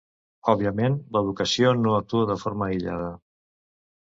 Òbviament, l'educació no actua de forma aïllada.